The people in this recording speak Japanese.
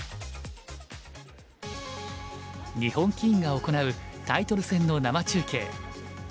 日本棋院が行うタイトル戦の生中継。